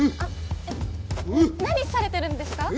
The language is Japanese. えっ何されてるんですか？